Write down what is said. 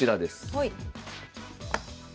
はい。